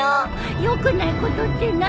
よくないことって何？